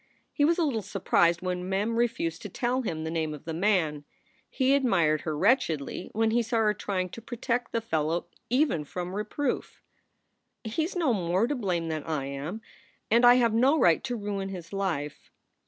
He was a little surprised when Mem refused to tell him the name of the man. He admired her wretchedly when he saw her trying to protect the fellow even from reproof. " He s no more to blame than I am, and I have no right to ruin his life."